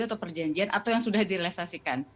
atau perjanjian atau yang sudah direalisasikan